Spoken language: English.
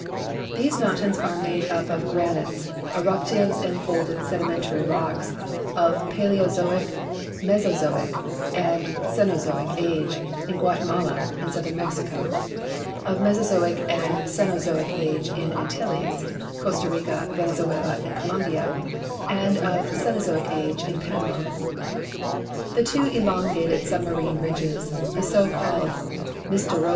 These mountains are made up of granites, eruptives, and folded sedi mentary rocks of Paleozoic, Mesozoic, and Cenozoic age in Guatemala and southern Mexico ; of Mesozoic and Cenozoic age in the Antilles, Costa Rica, Venezuela, and Colombia; and of Cenozoic age in Panama. The two elongated submarine ridges Ghe so called Mistero.